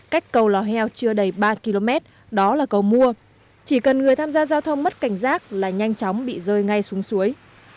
cách cầu lò heo chưa đầy ba km đó là cầu mua chỉ cần người tham gia giao thông mất cảnh giác là nhanh chóng bị rơi ngay xuống suối